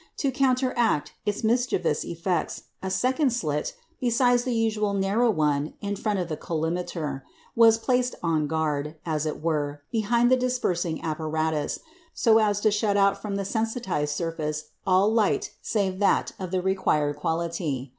To counteract its mischievous effects, a second slit, besides the usual narrow one in front of the collimator, was placed on guard, as it were, behind the dispersing apparatus, so as to shut out from the sensitised surface all light save that of the required quality.